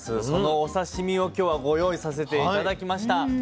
そのお刺身を今日はご用意させて頂きました。